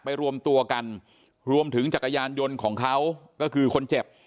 รวมตัวกันรวมถึงจักรยานยนต์ของเขาก็คือคนเจ็บ